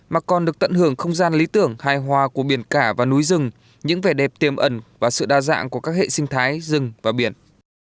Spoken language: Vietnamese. mà còn được tận hưởng không gian lý tưởng hài hòa của biển cả và núi rừng những vẻ đẹp tiềm ẩn và sự đa dạng của các hệ sinh thái rừng và biển